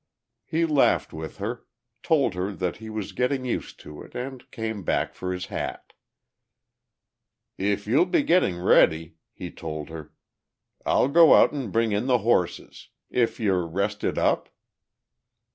He laughed with her, told her that he was getting used to it, and came back for his hat. "If you'll be getting ready," he told her, "I'll go out and bring in the horses. If you're rested up?"